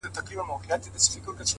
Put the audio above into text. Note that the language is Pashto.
لكه ژړا _